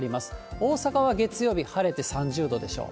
大阪は月曜日晴れて３０度でしょう。